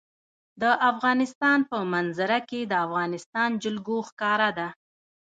د افغانستان په منظره کې د افغانستان جلکو ښکاره ده.